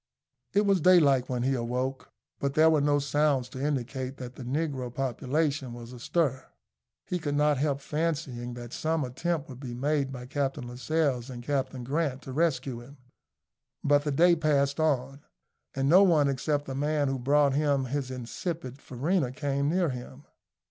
It was daylight when he awoke; but there were no sounds to indicate that the negro population was astir. He could not help fancying that some attempt would be made by Captain Lascelles and Captain Grant to rescue him; but the day passed on, and no one except the man who brought him his insipid farina came near him.